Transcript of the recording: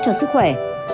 cho sức khỏe